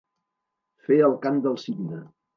Fer el cant del cigne.